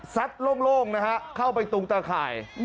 โล่งนะฮะเข้าไปตุงตะข่าย